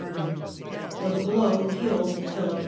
119 army. The blow killed Philip IV.